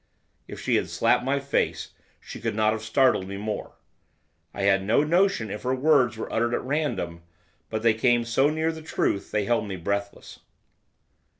If she had slapped my face she could not have startled me more. I had no notion if her words were uttered at random, but they came so near the truth they held me breathless.